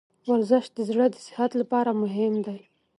ورزش د زړه د صحت لپاره مهم دی.